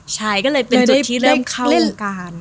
ใช่ก็เลยเป็นจุดที่เริ่มเข้าวงการ